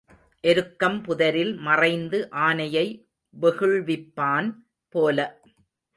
எருக்கம் புதரில் மறைந்து ஆனையை வெகுள்விப்பான் போல.